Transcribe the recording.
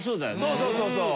そうそうそうそう。